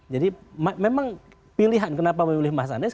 jadi memang pilihan kenapa memilih mas anies